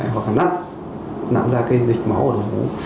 hoặc là nắt nặm ra cái dịch máu ở đầu vú